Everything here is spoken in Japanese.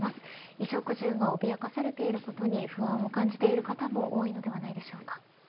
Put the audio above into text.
衣食住が脅かされていることに不安を感じている方も多いのではないでしょうか。